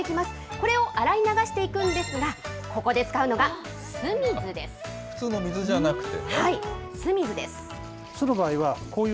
これを洗い流していくんですが、普通の水じゃなくて。